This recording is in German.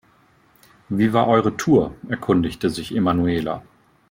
Wie war eure Tour?, erkundigte sich Emanuela.